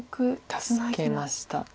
助けました。